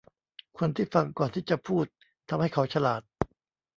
คนที่ฟังก่อนที่จะพูดทำให้เขาฉลาด